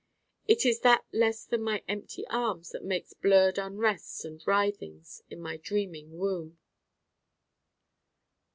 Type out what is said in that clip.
It is that less than my empty arms that makes blurred unrests and writhings in my Dreaming Womb.